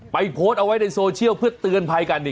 โพสต์เอาไว้ในโซเชียลเพื่อเตือนภัยกัน